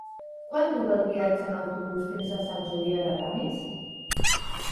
Quant dura el viatge en autobús fins a Sant Julià de Ramis?